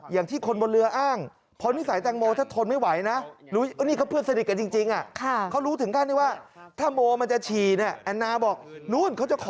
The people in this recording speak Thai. อย่างที่คนบนเรืออ้างเพราะนิสัยแตงโมถ้าทนไม่ไหวนะ